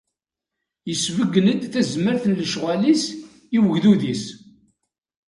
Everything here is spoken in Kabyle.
Isbeggen-d tazmert n lecɣal-is i ugdud-is.